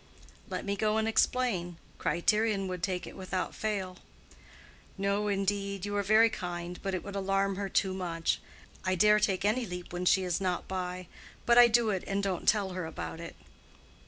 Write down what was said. "Let me go and explain. Criterion would take it without fail." "No—indeed—you are very kind—but it would alarm her too much. I dare take any leap when she is not by; but I do it and don't tell her about it."